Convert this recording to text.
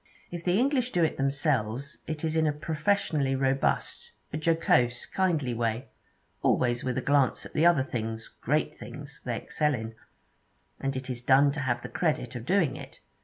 If the English do it themselves, it is in a professionally robust, a jocose, kindly way, always with a glance at the other things, great things, they excel in; and it is done to have the credit of doing it.